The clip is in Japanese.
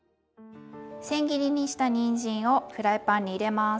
せん切りにしたにんじんをフライパンに入れます。